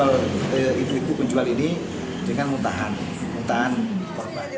kalau itu penjual ini dia kan muntahan muntahan korban